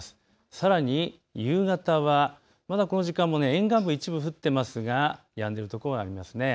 さらに夕方はまだこの時間も沿岸部、一部降っていますがやんでいる所がありますね。